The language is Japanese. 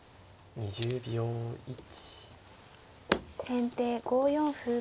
先手５四歩。